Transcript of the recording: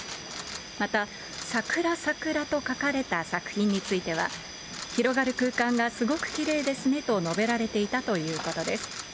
またさくらさくらと書かれた作品については、広がる空間がすごくきれいですねと述べられていたということです。